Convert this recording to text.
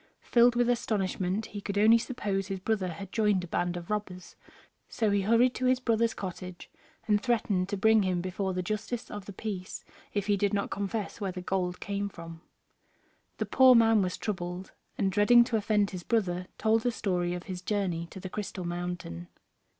Filled with astonishment, he could only suppose his brother had joined a band of robbers: so he hurried to his brother's cottage, and threatened to bring him before the justice of the peace if he did not confess where the gold came from. The poor man was troubled, and, dreading to offend his brother, told the story of his journey to the Crystal Mountain.